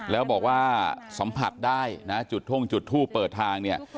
แล้วบอกว่าสัมผัสได้นะจุดท่งจุดทูปเปิดทางเนี่ย